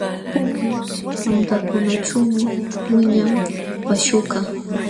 Pukyu patankunaćhuumi wiñan paśhukaq.